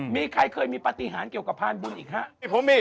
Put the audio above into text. มีใครเคยมีปฏิหารเกี่ยวกับพานบุญอีกครับ